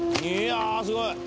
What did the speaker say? いやぁすごい。